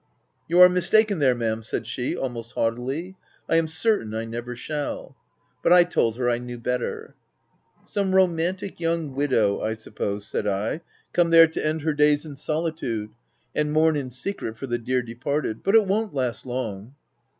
< You are mistaken there Ma'am/ said she, almost haughtily; c l am certain I never shall.' — But I told her / knew better/' " Some romantic young widow, I suppose/' said I, " come there to end her days in soli tude, and mourn in secret for the dear departed — but it won't last long.'